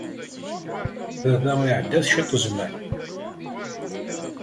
Baba iɛedda-t cwiṭ zzman.